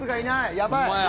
やばい。